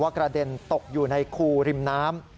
กระเด็นตกอยู่ในคูริมน้ำ